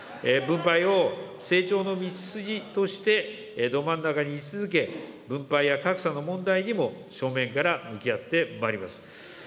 分配を成長の道筋として、ど真ん中に位置づけ、分配や格差の問題にも、正面から向き合ってまいります。